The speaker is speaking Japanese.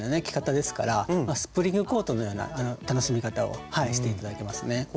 着方ですからスプリングコートのような楽しみ方をして頂けますね。